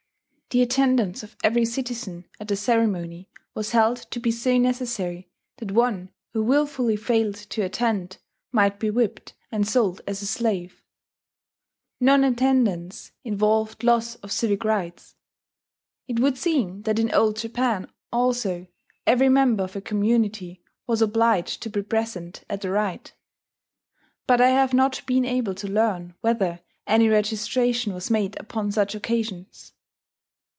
The attendance of every citizen at the ceremony was held to be so necessary that one who wilfully failed to attend might be whipped and sold as a slave. Non attendance involved loss of civic rights. It would seem that in Old Japan also every member of a community was obliged to be present at the rite; but I have not been able to learn whether any registration was made upon such occasions.